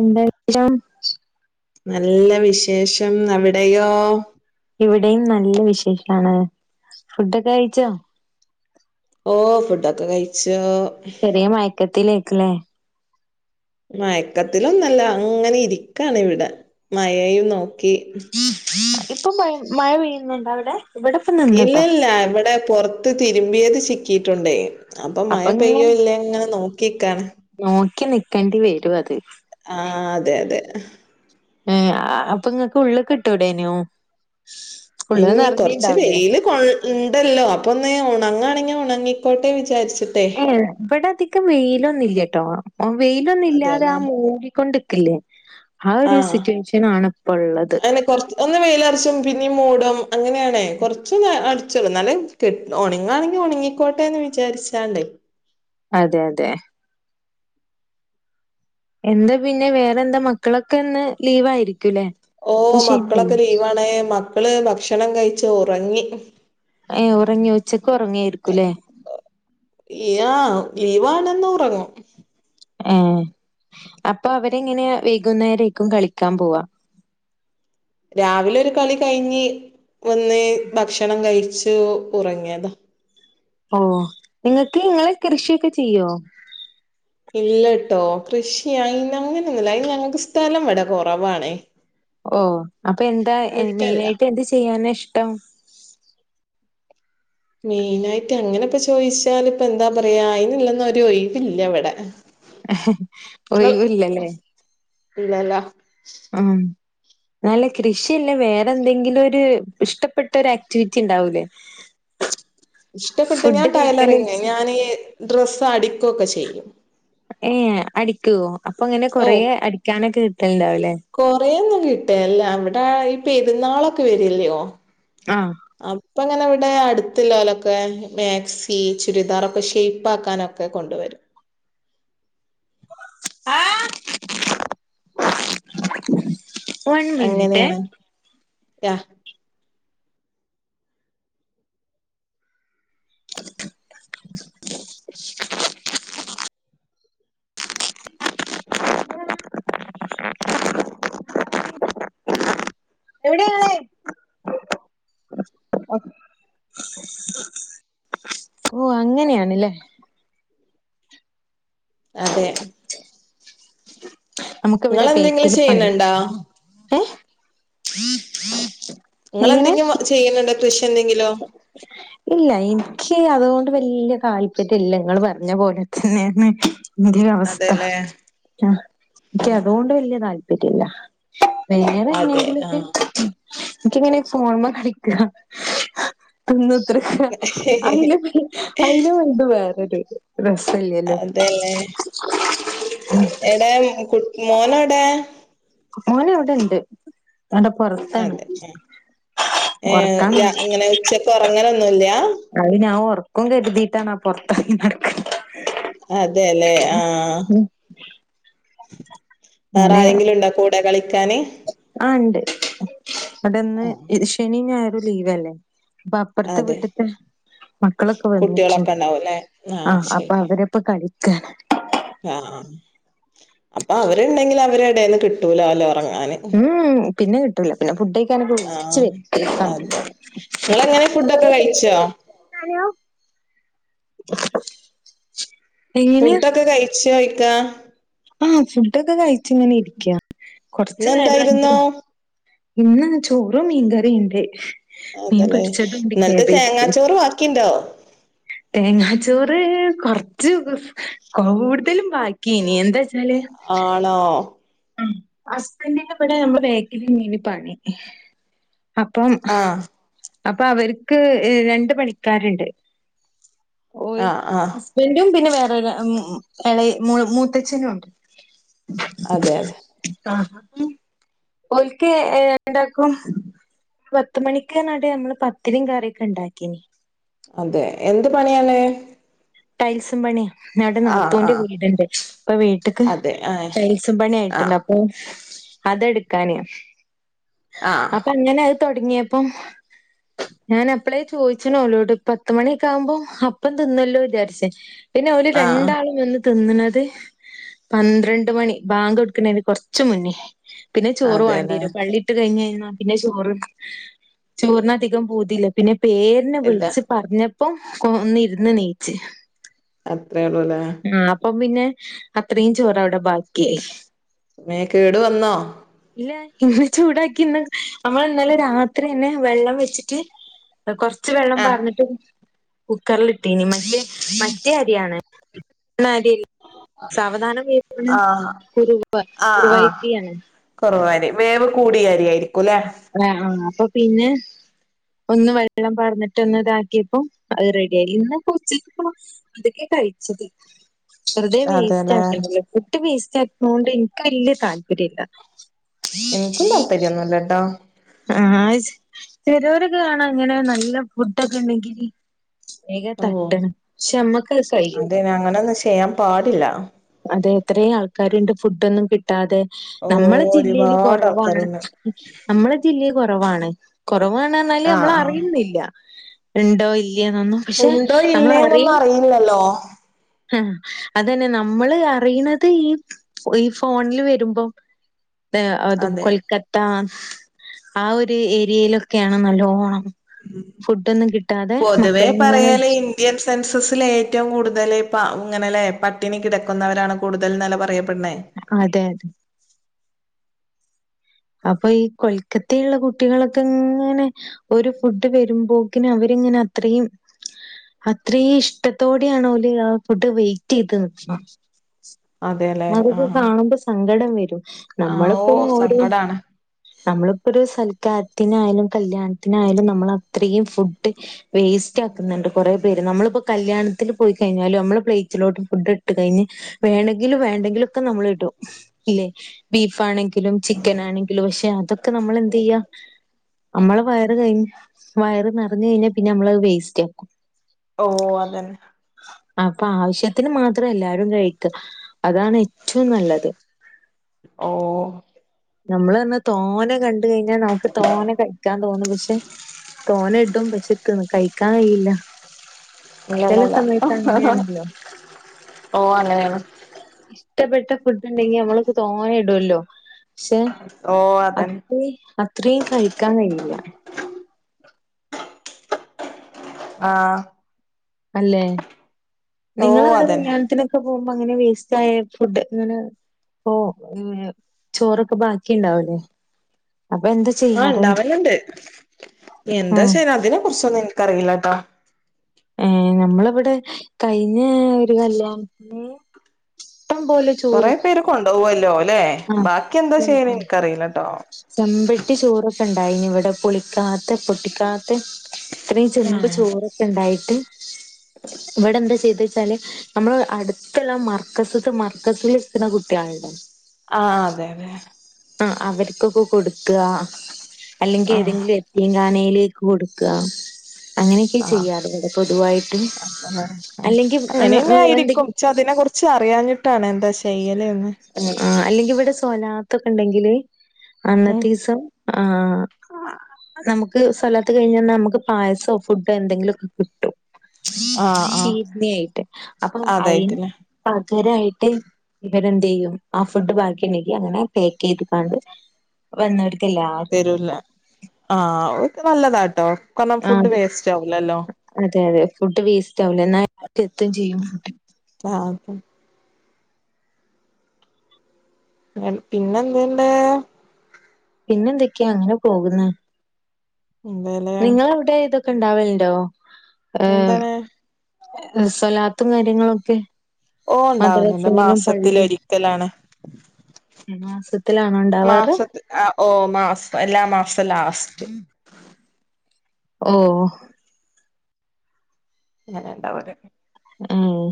എന്താ ഷം നല്ല വിശേഷം അവിടെയോ ഇവിടെയും നല്ല വിശേഷാണ് ഫുഡൊക്കെ കഴിച്ചോ ഓ ഫുഡൊക്കെ കഴിച്ചു ചെറിയ മയക്കത്തിലേക്കും ലേ മയക്കത്തിലൊന്നല്ല അങ്ങനെ ഇരിക്കാണിവിടെ മഴെയും നോക്കി ഇപ്പൊ മഴ പെയ്യുന്നുണ്ടോ അവിടെ? ഇവിടെ. ഇപ്പ ഇല്ല നിന്നുട്ടോ ഇല്ല ഇവിടെ പൊർത്ത് തിരുമ്പിയത് ചിക്കിടയിട്ടുണ്ട് അപ്പം മഴ അപ്പൊ ഇങ്ങനെ പെയ്യോ ഇല്ലേ ന്നിങ്ങനെ നോക്കി നിക്കാണ്. നോക്കി നിക്കേണ്ടി വരും അത്. ആഹ് അതെ അതെ. ഏ അപ്പൊ ഇങ്ങക്ക് ഉള്ള്ക്ക് ഇട്ടൂടേന്യോ? അയ്ന് കൊറച്ച് വെയില്. കൊ ഇണ്ടല്ലോ അപ്പൊ ഒന്ന് ഒണങ്ങാണെങ്കിൽ ഒണങ്ങിക്കോട്ടെ വിചാരിച്ചിട്ടെ. ഏ ഇവിടെ അധികം വെയിലൊന്നില്ലട്ടോ. ഉം വെയിലൊന്നും ഇല്ലാതെ ആ അതെല്ലേ മൂകിക്കൊണ്ടിക്കല്ല്. ആ ഒരു സിറ്റുവേഷൻ ആണ് ഇപ്പള്ളത്. അങ്ങനെ കൊറച്ച് ഒന്ന് വെയ്ലറിച്ചും പിന്നീ മൂടും അങ്ങനെയണേ കൊറച്ച് അടിച്ചൊള് ന്നാല് കി ഒണങ്ങാണെങ്കിൽ ഒണങ്ങിക്കോട്ടെ ന്ന് വിചാരിച്ചാണ്ടേ. അതെ അതെ. എന്താ പിന്നെ വേറെന്താ മക്കളൊക്കെ ഇന്ന് ലീവായിരിക്കൂല്ലേ? ഓ മക്കളൊക്കെ ലീവാണ് മക്കള് ഭക്ഷണം കഴിച്ച് ഒറങ്ങി. ഏ ഒറങ്ങിയോ ഉച്ചക്ക് ഒറങ്ങേ ഇല്ല ലീവാണെന്ന് ഒറങ്ങും. ഏഹ് അപ്പൊ അവരെങ്ങനെ വൈകുന്നേരേക്കും കളിക്കാൻ പോവാ. രാവിലെ ഒരു കളി കഴിഞ്ഞ് വന്ന് ഭക്ഷണം കഴിച്ചു ഉറങ്ങിയതാ. ഓ ഇങ്ങക്ക് ഇങ്ങള് കൃഷിയൊക്കെ ചെയ്യോ? ഇല്ലട്ടോ കൃഷി അയിന് അങ്ങനൊന്നുല്ല അയ്ന് ഞങ്ങക്ക് സ്ഥലം ഇവടെ കൊറവാണേ. ഓഹ് അപ്പൊ എന്താ മുറ്റല്ല മെയിനായിട്ട് എന്ത് ചെയ്യാനാ ഇഷ്ടം. മെയിനായിട്ട് അങ്ങനെപ്പ ചോയിച്ചാല് ഇപ്പൊ എന്താ പറയാ അയിനുള്ളൊന്നും ഒര് ഒഴിവില്ല ഇവിടെ. ഇങ്ങള് ഒഴിവില്ലല്ലേ ഇല്ല ലോ? ആഹ് നല്ല കൃഷില്ല വേറെ എന്തെങ്കിലും ഒരു ഇഷ്ടപ്പെട്ട ഒരു ആക്ടിവിറ്റി ഇണ്ടാവൂലേ? ഇഷ്ടപ്പെട്ട് ഞാൻ കഴിക്കല് ടൈലറിങ്ങ് വെച്ച് ഞാന് ഡ്രസ്സ് അടിക്കു ഒക്കെ ചെയ്യും. ഏഹ് അടിക്കോ അപ്പ ഇങ്ങനെ ഓ കൊറേ അടിക്കാനൊക്കെ കിട്ടല്ണ്ടാവുല്ലേ? കൊറേന്നും കിട്ടേല്ല അവിടെ ഈ പെരുന്നാളൊക്കെ വരുല്ലോ? ആഹ് അപ്പ ഇങ്ങനെ ഇവിടെ അടുത്തില്ലൊലൊക്കെ മാക്സി ചുരിദാറൊക്കെ ഷൈപ്പ് ആക്കാനൊ ക്കെ കൊണ്ടുവരും. ആഹ് അങ്ങനെയാണ് യാ എവിടെങ്ങള്? ഓ അങ്ങനെയാണ്ല്ലേ? അതെ. നമുക്കിവിടെ നിങ്ങളെന്തെങ്കിലും ബെകിലു പണി ചെയ്യണണ്ടോ ഇങ്ങ ള് എങ്ങനെ എന്തെങ്കിലും ചെയ്യുന്നുണ്ടോ കൃഷി എന്തെങ്കിലും? [unintelligible] ഇല്ല എനിക്ക് അതുകൊണ്ട് വല്യ താല്പര്യ ഇല്ല ങ്ങ ള് പറഞ്ഞ പോലെ തന്നെയാണ്. അതേ അവസ്ഥ അതെല്ലേ ആഹ് എനിക്ക് അതുകൊണ്ട് വല്യ താല്പര്യ ഇല്ല. വേറെ അതെ എന്തെങ്കിലൊക്കെ ആഹ് എനിക്കിങ്ങനെ ഫോൺ മെ കളിക്ക. അന്ന [unintelligible] വേറൊരു പ്രേശ്നല്ലല്ലോ ഏ എടേ കു മോനെവ്ടേ? മഓനവിടെണ്ട് അവിടെ പൊറത്താണ് അതെ ഉറക്കാൻ ഉച്ചക്കെ ഉറങ്ങനൊന്നുല്ല അത് ഞാൻ ഉറക്കും കരുതിയിട്ടാണ് ആ പുൊറത്തറങ്ങി നടക്കണേ അതെല്ലേ ആഹ് വേറെ ആരെങ്കിലും ഉണ്ട കൂടെ കളിക്കാന് ആഹ് ണ്ട് അവിടെന്ന് ആഹ് ശനി ഞായറും ലീവലേ പ്പ അപ്പറത്തെ അതെ വീട്ടത്തെ മക്കളൊക്കെ കുട്ടികളൊക്കെ വന്നിട്ടുണ്ട് ഉണ്ടാവുംല്ലേ ആഹ് അപ്പൊ ശരി അവരപ്പൊ കള ആഹ് അപ്പൊ അവരുണ്ടെങ്കി അവരെടെന്ന് കിട്ടൂലോ അല്ല ഉറങ്ങാന് ഉം പിന്നെ കിട്ടൂല പിന്നെ ഫുഡ് കഴിക്കാനൊക്കെ വിളിച്ച് ആഹ് വരുത്തിയേക്കാണ് അതെ ങ്ങെളെങ്ങനെ ഫുഡൊക്കെ കഴിച്ചോ എങ്ങനെയാ ഫുഡൊക്കെ കഴിച്ച ഴിക്ക ആഹ് ഫുഡൊക്കെ കഴിച്ച ഇങ്ങനെ ഇരിക്ക കൊറച്ച നേര ഇന്നെന്തായിരുന്നു ഇന്ന ചോറും മീൻകറിണ്ട് അതല്ലെ ഇന്നലത്തെ തേങ്ങാച്ചോറ് വാക്കിണ്ടോ തേങ്ങാച്ചോറ് കൊറച്ച് കൂടുതലും ബാക്കിനി എന്താച്ചാല് ആണോ ഹസ്ബൻന്റിന്റെ ഇവടെ നമ്മളെ വേക്കില്ലെന്നെനി പണി അപ്പം ആഹ് അപ്പൊ അവർക്ക് ഇ രണ്ട് പണിക്കാരിണ്ട് ഓ ആഹ് ആഹ് ഹസ്ബന്റും പിന്നെ വേറെരു ഇള മൂ മൂത്തച്ഛനും ഉണ്ട് അതെ ആഹ് ഒക്ക് രണ്ടാക്കും പത്ത് മണിക്കനാൻഡ് നമ്മള് പത്തിരിം കറിയൊക്കെ ണ്ടാക്കീന് അതെ എന്ത് പണിയാണ് ടൈൽസും പണിയ ഞവിടെ ആഹ് നാത്തൂന്റെ ആഹ് വീടുണ്ട് ഇപ്പൊ വീട്ടക്ക് അതെ ആഹ് ടൈൽസും പണിയ ആഹ് ആയിട്ടുണ്ട് അപ്പ അതെടുക്കാന ആഹ് അപ്പ അങ്ങന തുടങ്ങിയപ്പം ഞാൻ എപ്പളേ ചോദിച്ചനോല്ലോട്ട് പത്തുമണിയൊക്കെ ആകുമ്പോം അപ്പം തിന്നല്ലോ വിചാരിച്ച പിന്നെ ഓല് ആഹ് രണ്ടാളും വന്ന് തിന്നണത് പന്ത്രണ്ട് മണി ബാങ്ക് കൊടുക്കണന് കൊറച്ച മുന്നേ പിന്നെ ചോറ് അതെല്ലേ വണ്ടിരും പള്ളി ഇട്ട് കഴിഞ്ഞ കഴി പിന്നെ ചോറ് ചോറിനധികം പോതില്ല പിന്നെ പേരിനെ ഇല്ല വിളിച്ച പറഞ്ഞപ്പോ കൊ ഒന്ന ഇരുന്ന് നീ ച്ച് അത്രേ ഉള്ളൂ ല്ലേ ആഹ് അപ്പം പിന്നെ അത്രീം ചോറ് അവിടെ ബാക്കിയായി മേ കേടു വന്നോ ഇല്ല ഇന്ന് ചൂടാക്കിന്ന് നമ്മള് ഇന്നലെ രാത്രിന്നെ വെള്ളം വെച്ചിട്ട് കൊർച്ച് വെള്ളം ആഹ് പാർന്ന്ട്ട് കുക്കർല് ഇട്ടീനി മറ്റേ അരിയാണ് [unintelligible] സാവധാനം വേവ്ണ ആഹ് കുറുവ കുറുവയ്ര്യാണ്. കൊറവാരി വേവ് കൂടിയാരിയായിരിക്കുംല്ലെ ഏഹ് ആഹ അപ്പൊ പിന്നെ ഒന്ന് വെള്ളം പാർന്ന്ട്ട് ഒന്ന് ഇതാക്കിയപ്പം അത് റെഡി ആയി ഇന്ന് പ്പ ഉച്ചക്ക് പ്പം എന്തൊക്കെ കഴിച്ചത് വെറുതെ വേസ്റ്റ് അതെല്ലേ ആക്കണ്ടല്ലോ ഫുട്ട് വേസ്റ്റ് ആക്കുന്നോണ്ട് ഇൻക്ക് വല്യ താല്പര്യല്ല. ഇൻക്കും താല്പര്യന്നുല്ലട്ടോ ആഹ് ചെലോലൊക്കെ കാണാ ഇങ്ങനെ നല്ല ഫുഡൊക്കെ ഇണ്ടെങ്കില് [unintelligible] ഓ തട്ട്ണ് ശേ അമ്മക്ക് അത് കയ്യൂല. അതെ അങ്ങനൊന്നും ചെയ്യാൻ പാടില്ല അതെ എത്രേ ആൾക്കാര്ണ്ട് ഫുഡ്ഡ് ഒന്നും കിട്ടാതെ ഓ നമ്മളെ ജില്ലയില് ഒരുപാട് കൊറവാണ്. ആൾക്കാരുണ്ട് നമ്മളെ ജില്ലേ കൊറവാണ് കൊറവാണർഞ്ഞാല് ആഹ് അമ്മള് ആഹ് അറിയുന്നില്ല. ഇണ്ടോ ഇല്ലെന്നൊന്നും ഉണ്ടോ ഇല്ലേന്നൊന്നും അറിയില്ലല്ലോ. ആഹ് അതന്നെ നമ്മള് അറിയ്ണത് ഈ ഫോൺല് വരുമ്പം അത് അതെ കൊൽക്കത്ത ആ ഒരു ഏരിയയിലൊക്കെയാണ് നല്ലോണം ഫുടൊന്നും കിട്ടാതെ മക്കള്ങ്ങനെ എം സെൻസസ്ല് ഏറ്റവും കൂടുതല് പ ഇങ്ങനെല്ലെ പട്ടിണി കിടക്കുന്നവരാണ് കൂടുതൽ ന്നല്ലെ പറയപ്പെട്ണേ. അതെ അതെ അപ്പൊ ഈ കൊൽക്കത്തേല്ള്ള കുട്ടികളൊക്കെ ങ്ങനെ ഒരു ഫുഡ് വരുമ്പോക്കിന് അവരിങ്ങനെ അത്രയും അത്രീം ഇഷ്ടത്തോടെയാണ് ഓല് ആ ഫുഡ് വെയിറ്റെയ്ത് നിക്ക്ണ്. അതേല്ലേ അതൊക്കെ ആഹ് കാണുമ്പോ സങ്കടം വരും ആഹ് ആ ഓ നമ്മള്പ്പം ഓരോ സങ്കടാണ് നമ്മള്പ്പോ ഒരു സൽക്കാര്ത്തിനായാലും കല്യാ ൺത്തിനായാലും നമ്മളത്രീം ഫുഡ് വേസ്റ്റ് ആക്ക്ന്ന്ണ്ട് കൊറെ പേര്. നമ്മള്പ്പോ കല്യാണത്തില് പോയി കഴിഞ്ഞാലും നമ്മള് പ്ലേറ്റിലോട്ട് ഫുഡ് ഇട്ട് കഴിഞ്ഞ് വേണങ്കിലും വേണ്ടെങ്കിലൊക്കെ നമ്മള് ഇടും ഇല്ലേ ബീഫാണെങ്കിലും ചിക് ക്കനാണെങ്കിലും പശേ അതൊക്കെ നമ്മള് എന്തെയ്യാ? അമ്മളെ വയറ് കഴിഞ്ഞ വയറ് നറഞ്ഞ് കയിഞ്ഞാ പിന്നെ അമ്മളത് വേസ്റ്റാക്കും. ഓഹ് അതന്നെ അപ്പൊ ആവശ്യത്തിന് മാത്രം എല്ലാരും കഴിക്ക. അതാണ് ഏറ്റവും നല്ലത്. ഓഹ് നമ്മള ർഞ്ഞ തോനെ കണ്ട കഴിഞ്ഞാ നമുക്ക് തോന കഴിക്കാൻ തോന്നും. പശേ തോന ഇടും പശേ കഴി ക്കായിലാ ചെല ഇല്ലല്ലല്ല സമയത്താങ്ങനെ ആണല്ലോ ഓ അങ്ങനെയാണ് ഇഷ്ടപ്പെട്ട ഫുഡ് ഇണ്ടെങ്കി നമ്മളൊക്കെ തോന്നേ ഇടൊല്ലോ ശേ ഓ അതന്നെ അത്രി അത്രീം കഴിക്കാൻ കഴിയില്ല. ആഹ് അല്ലെ ഓ നിങ്ങളവിടെ അതന്നെ കല്യാൺത്തിന് പോമ്പോ അങ്ങനെ വേസ്റ്റായ ഫുഡ് ങ്ങനെ പോ ചോറൊക്കെ ബാക്കിണ്ടാവുലെ ആഹ് ണ്ടാവല്ണ്ട് എന്താ ഉം ച്ചാല് അതിനെ കുർച്ചൊന്നും ഇൻക്കറീലാ ട്ടോ ഏഹ് നമ്മളിവിടെ കയിഞ്ഞെ ഒരു കല്യാൺത്തിന് ഇട്ടം പോലെ കൊറെ ചോറ് പേര് കൊണ്ടോവോല്ലോ ല്ലെ ആ ബാക്കി എന്താ ചെ ചെയ്യല് ആ ഇൻക്കറിയിലാട്ടോ ചെമ്പട്ടി ചോറൊക്കെ ഇണ്ടായിനി ഇവിടെ പുളിക്കാത്തെ പൊട്ടിക്കാത്തേ ഇത്രയും ചെമ്പ് ആഹ് ചോറൊക്കെ ഉണ്ടായിട്ട് ഇവിടെ എന്താ ചെയ്ത വച്ചാല്? നമ്മള് അടുത്ള്ള മർക്കസത്ത് മർക്കസല് നിക്കണ കുട്ടിയാള്ണ്ടല്ലോ? ആഹ് അതെ തെ. ആ അവർക്കൊക്കെ കൊടുക്ക അല്ലെങ്കി ആഹ് ഏതെങ്കിലും യെ തീങ്ങാനയിലേക്ക് കൊടുക്ക അങ്ങനെയൊക്കെ ആഹ് ചെയ്യാറ് ഇവിടെ പൊതുവായിട്ട് അല്ലെങ്കി ഉം ഉം എന്തെങ്കി തിനെ കുറിച്ച് അറിയഞ്ഞിട്ടാണ് എന്താ ചെയ്യലെന്ന്? ആ അല്ലെങ്കി ഇവിടെ സൊലാത്തൊക്കെ ണ്ടെങ്കില് ഉം അന്നത്തീസം ആഹ് നമുക്ക് സൊലാത്ത് കഴിഞ്ഞന്നാ മ്മക്ക് പായസോ ഫുഡോ എന്തെങ്കിലൊക്കെ കിട്ടും. ആഹ് ആഹ് ചീത്തേയിട്ട് അപ്പം അയിന് അതായിട്ടില്ല പ്പ തുവരായിട്ട് ഇവരെ ന്തേയ്യും ആ ഫുഡ് ബാക്കി ണ്ടെങ്കി അങ്ങനെ പാക്ക് ചെയ്തുകാണ്ട് വന്നോർക്കെല്ലാർ തെരുല്ല ആഹ് നല്ലതാ ട്ടോ കാര്ണം ആഹ് ഫുഡ് അത് വേസ്റ്റ് ആവൂലല്ലോ? അതെ അതെ ഫുഡ് വേസ്റ്റ് ആവുലേ എന്നാ എത്തും ചെയ്യും ഫുഡ് ആഹ് പിന്നെ എന്തിണ്ട്? പിന്നെന്തൊക്കെയാ അങ്ങനെ പോകുന്നേ? ഇന്തേല്ലേ. നിങ്ങളെ അവിടെ ഇതൊക്കെ ഇണ്ടാവലുണ്ടോ ഏഹ്? എന്താണ് സ്വലാത്തും കാര്യങ്ങളൊക്കെ? ഓഹ് ഉണ്ടാവുന്നുണ്ട് മദ്രസയിലും മാസത്തില് ഒരിക്കലാണ്. മാസത്തിലാണ് ഉണ്ടാവാറ്? ആഹ് ഓഹ് മാസ് എല്ലാ മാസവും ലാസ്റ്റ്. ഓഹ്. അങ്ങന ഉണ്ടാവല് ആഹ്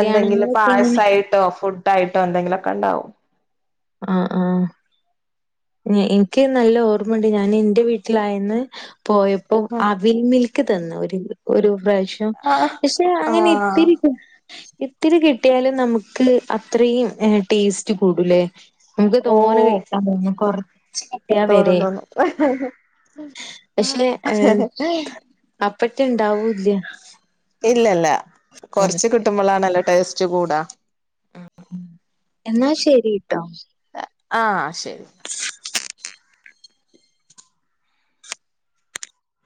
എന്തെങ്കിലും പായസയിട്ടോ ഫുഡ് ആയിട്ടോ എന്തെങ്കിലുക്കെ ഉണ്ടാവും. ആഹ് ആഹ് ഇനിക്ക് നല്ല ഓർമ്മുണ്ട് ഞാൻ എന്റെ വീട്ടിലായെന്ന് പോയപ്പോ ആഹ് അവിൽ മിൽക്ക് തന്ന് ഒരു ഒരു പ്രാവശ്യം. ആഹ് പക്ഷെ അങ്ങനെ ആഹ് ഇത്തിരി കി ഇത്തിരി കിട്ടിയാലും നമുക്ക് അത്രയും ടേസ്റ്റ് കൂടൂലേ നമുക്ക് ഓ തോന്നേ കഴിക്കാൻഞ്ഞ് കൊറ തോന്നും തോന്നും പക്ഷെ ഏഹ് അപ്പട്ട ഉണ്ടാവൂല്ല. ഇല്ലില്ല കൊറച്ച് കിട്ടുമ്പോളാണല്ലോ ടേസ്റ്റ് കൂടാ ആഹ് എന്നാ ശെരിട്ടോ. ആഹ് ശെരി.